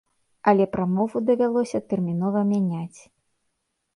Але прамову давялося тэрмінова мяняць.